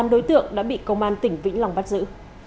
tám đối tượng đã bị công an tỉnh vĩnh long bắt giữ